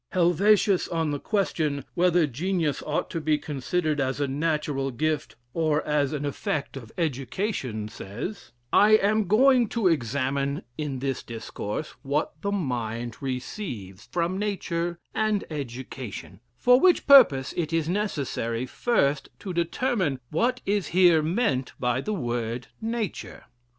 Helvetius, on the question "whether genius ought to be considered as a natural gift, or as an effect of education," says: "I am going to examine in this discourse what the mind receives from nature and education; for which purpose it is necessary first, to determine what is here meant by the word Nature.